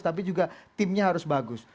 tapi juga timnya harus bagus